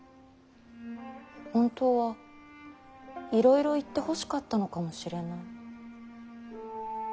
本当はいろいろ言ってほしかったのかもしれない。